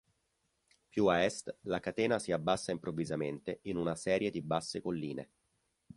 Più a est la catena si abbassa improvvisamente in una serie di basse colline.